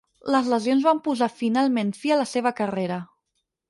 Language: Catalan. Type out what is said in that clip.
Les lesions van posar finalment fi a la seva carrera.